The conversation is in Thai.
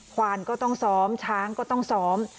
ควานก็ต้องซ้อมช้างก็ต้องซ้อม